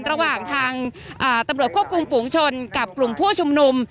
ระหว่างทางตำรวจควบคุมฝูงชนกับกลุ่มผู้ชุมนุม